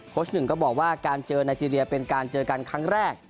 ชหนึ่งก็บอกว่าการเจอไนเจรียเป็นการเจอกันครั้งแรก